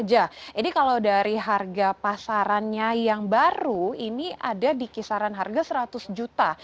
jadi kalau dari harga pasarannya yang baru ini ada di kisaran harga rp seratus juta